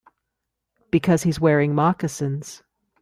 Because he's wearing moccasins.